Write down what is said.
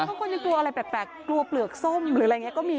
บางคนยังกลัวอะไรแปลกกลัวเปลือกส้มหรืออะไรอย่างนี้ก็มี